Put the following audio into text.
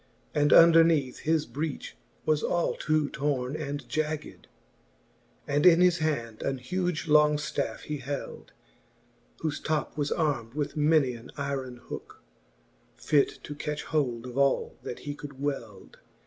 And underneath his breech was all ta torne and jagged : XI. And in his hand an huge long ftafFe he held, Whofe top was arm'd with many an yron hooke. Fit to catch hold of all that he could weld.